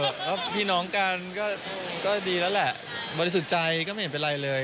คือเรารู้กันอยู่แล้วว่ามันไม่มีอะไรเลยนะแล้วมันก็ไม่ได้แบบมีโอกาสพัฒนา